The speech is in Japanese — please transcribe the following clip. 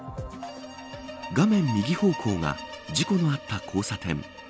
画面右方向が事故のあった交差点。